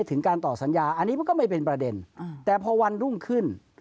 ถึงการต่อสัญญาอันนี้มันก็ไม่เป็นประเด็นแต่พอวันรุ่งขึ้น